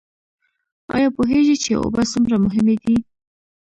ایا پوهیږئ چې اوبه څومره مهمې دي؟